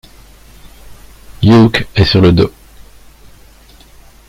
Uke est sur le dos.